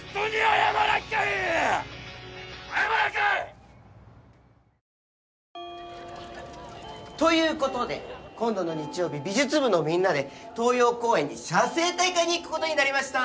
謝らんかい！ということで今度の日曜日美術部のみんなで東葉公園に写生大会に行くことになりました。